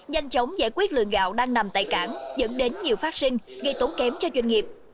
nhanh chóng giải quyết lượng gạo đang nằm tại cảng dẫn đến nhiều phát sinh gây tốn kém cho doanh nghiệp